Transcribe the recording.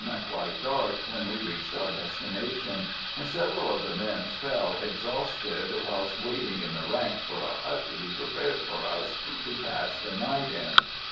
and quite dark, when we reached our destination, and several of the men fell exhausted whilst waiting in the ranks for a hut to be prepared for us to pass the night in.